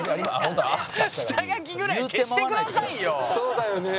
そうだよね。